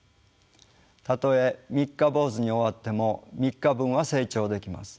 たとえ三日坊主に終わっても３日分は成長できます。